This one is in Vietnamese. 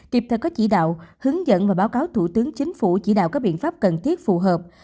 kịp thời có chỉ đạo hướng dẫn và báo cáo thủ tướng chính phủ chỉ đạo các biện pháp cần thiết phù hợp